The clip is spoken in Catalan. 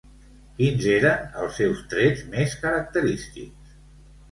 Quins eren els seus trets més característics?